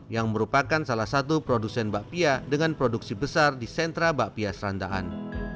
yang merupakan salah satu produsen bakpia dengan produksi besar di sentra bakpia serandaan